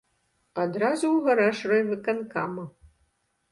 Адразу ў гараж райвыканкама.